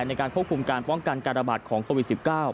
ในการควบคุมการป้องกันการระบาดของโควิด๑๙